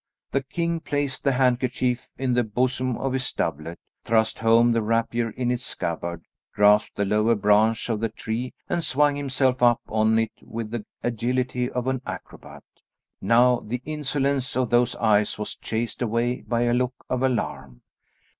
The king placed the handkerchief in the bosom of his doublet, thrust home the rapier in its scabbard, grasped the lower branch of the tree and swung himself up on it with the agility of an acrobat. Now the insolence of those eyes was chased away by a look of alarm.